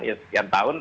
ya sekian tahun